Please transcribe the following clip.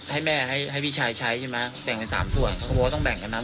ให้แม่ให้ให้พี่ชายใช้ใช่ไหมแบ่งกันสามส่วนเขาบอกว่าต้องแบ่งกันนะ